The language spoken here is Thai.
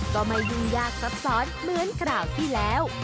ก็ไม่ยุ่งยากซับซ้อนเหมือนคราวที่แล้ว